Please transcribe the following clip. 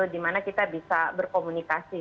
di mana kita bisa berkomunikasi